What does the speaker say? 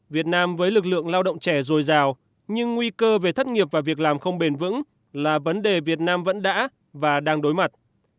việt nam với lực lượng lao động trẻ dồi dào nhưng nguy cơ về thất nghiệp và việc làm không bền vững là vấn đề việt nam vẫn đã và đang đối mặt